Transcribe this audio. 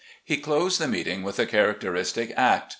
He closed the meeting with a characteristic act.